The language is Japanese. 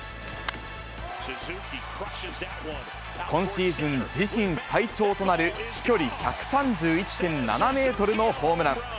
今シーズン自身最長となる、飛距離１３１．７メートルのホームラン。